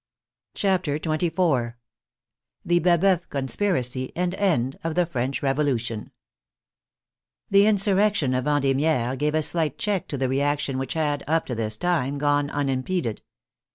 CHAPTER XXIV THE BABCEUF CX>NSPIRACY AND END OF THE FRENCH REV OLUTION The insurrection of Vendemiaire gave a slight check to the reaction which had, up to this time, gone on unim peded.